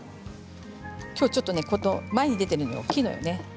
きょう、ちょっとね前に出ているのが大きいよね。